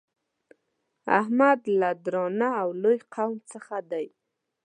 احمد له درانه او لوی قوم څخه دی.